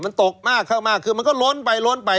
มันตกมากเข้ามากคือมันก็ล้นไปล้นไป